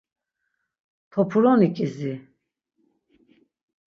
Topuroni ǩizi.